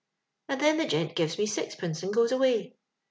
* And then the gent gives me six pence and goes away.